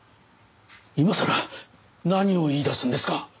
今さら何を言い出すんですか！